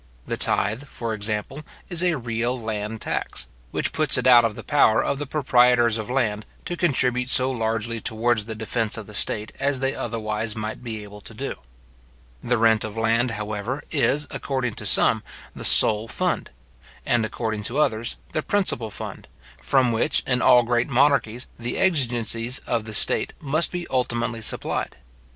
The tithe, for example, is a real land tax, which puts it out of the power of the proprietors of land to contribute so largely towards the defence of the state as they otherwise might be able to do. The rent of land, however, is, according to some, the sole fund; and, according to others, the principal fund, from which, in all great monarchies, the exigencies of the state must be ultimately supplied.